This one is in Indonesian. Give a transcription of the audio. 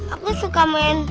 aku suka main